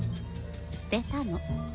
捨てたの。